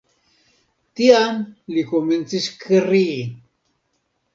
Tiam li komencis krii.